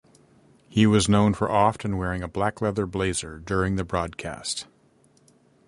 He was known for often wearing a black leather blazer during the broadcast.